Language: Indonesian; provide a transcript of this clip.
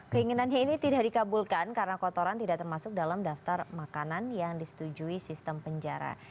keinginannya ini tidak dikabulkan karena kotoran tidak termasuk dalam daftar makanan yang disetujui sistem penjara